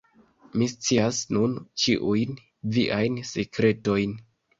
Mi scias nun ĉiujn viajn sekretojn.